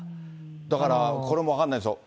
だからこれも分かんないですよ。